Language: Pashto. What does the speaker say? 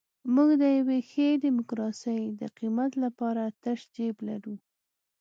موږ د یوې ښې ډیموکراسۍ د قیمت لپاره تش جیب لرو.